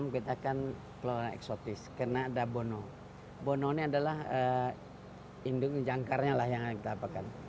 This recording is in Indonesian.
kita akan keluar eksotis kena ada bono bono adalah indung jangkarnya lah yang kita apakan